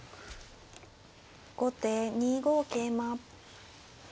後手２五桂馬。